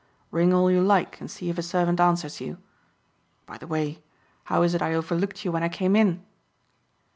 Ring all you like and see if a servant answers you. By the way how is it I overlooked you when I came in?"